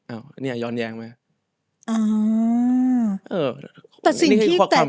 อ้าวนี่ย้อนแยงไหม